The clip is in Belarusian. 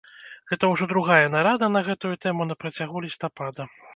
Гэта ўжо другая нарада на гэтую тэму на працягу лістапада.